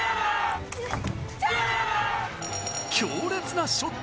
強烈なショット。